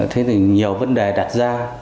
thế thì nhiều vấn đề đặt ra